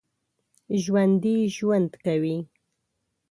ژوندي ژوند کوي